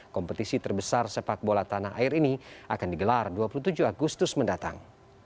kompetisi terbesar sepak bola tanah air ini akan digelar dua puluh tujuh agustus mendatang